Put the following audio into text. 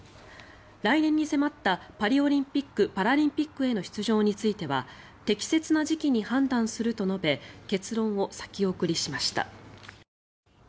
来年に迫ったパリオリンピック・パラリンピックへの出場については適切な時期に判断すると述べ結論を先送りしました。